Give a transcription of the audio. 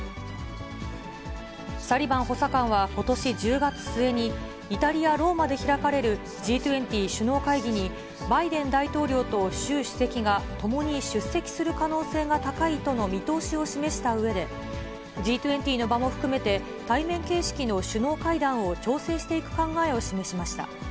サリバン補佐官は、ことし１０月末に、イタリア・ローマで開かれるＧ２０首脳会議に、バイデン大統領と習主席がともに出席する可能性が高いとの見通しを示したうえで、Ｇ２０の場も含めて、対面形式の首脳会談を調整していく考えを示しました。